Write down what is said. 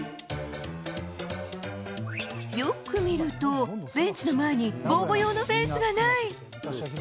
よく見ると、ベンチの前に防護用のフェンスがない。